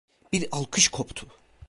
Bir alkış koptu.